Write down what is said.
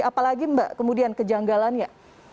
apalagi mbak kemudian kejanggalannya